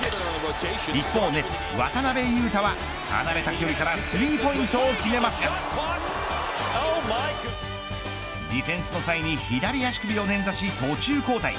一方ネッツ、渡邊雄太は離れた距離からスリーポイントを決めますがディフェンスの際に左足首を捻挫し途中交代。